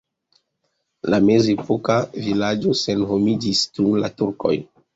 La mezepoka vilaĝo senhomiĝis dum la turkoj.